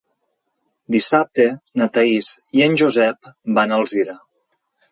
Dissabte na Thaís i en Josep van a Alzira.